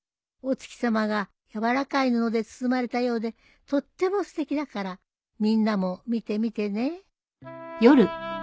お月さまが柔らかい布で包まれたようでとってもすてきだからみんなも見てみてね。